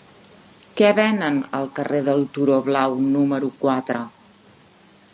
Què venen al carrer del Turó Blau número quatre?